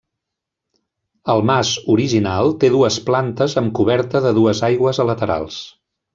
El mas original té dues plantes amb coberta de dues aigües a laterals.